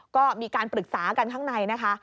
ก็มีการปรึกษากันข้างในนะคะ